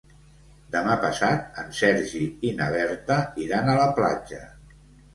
Demà passat en Sergi i na Berta iran a la platja.